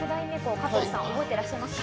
加藤さん、覚えていらっしゃいますか？